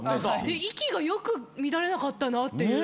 息がよく乱れなかったなって。